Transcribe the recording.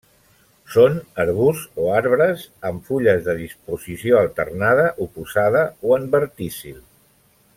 Són arbusts o arbres amb fulles de disposició alternada, oposada o en verticil.